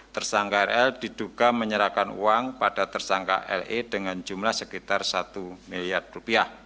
tersangka rl diduga menyerahkan uang pada tersangka le dengan jumlah sekitar satu miliar rupiah